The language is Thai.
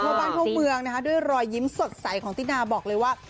ทั่วบ้านทั่วเมืองนะคะด้วยรอยยิ้มสดใสของตินาบอกเลยว่า